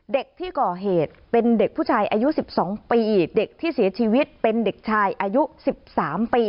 เด็กที่ก่อเหตุเป็นเด็กผู้ชายอายุ๑๒ปีเด็กที่เสียชีวิตเป็นเด็กชายอายุ๑๓ปี